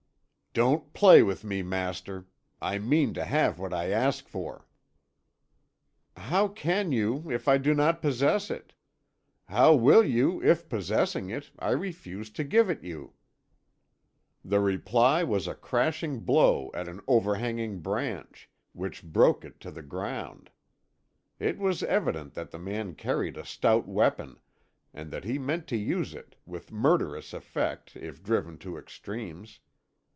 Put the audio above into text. "Don't play with me, master. I mean to have what I ask for." "How can you, if I do not possess it? How will you if, possessing it, I refuse to give it you?" The reply was a crashing blow at an overhanging branch, which broke it to the ground. It was evident that the man carried a stout weapon, and that he meant to use it, with murderous effect, if driven to extremes.